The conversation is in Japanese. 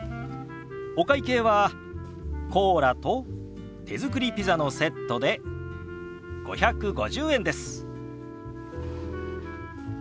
お会計はコーラと手作りピザのセットで５５０円です。